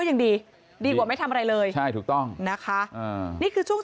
ยังดีดีกว่าไม่ทำอะไรเลยใช่ถูกต้องนะคะอ่านี่คือช่วง